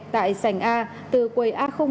tại sành a từ quầy a một